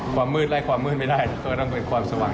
ความมืดไล่ความมืดไม่ได้ก็ต้องเป็นความสว่าง